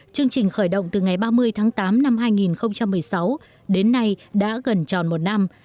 chương trình khởi động từ ngày ba mươi tháng tám năm hai nghìn một mươi sáu đến nay đã gần tròn một năm